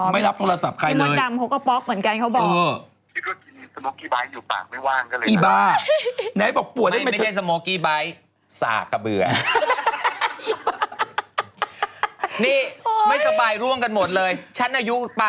ไม่ใช่ป๊อกทีเดียวเลยนะ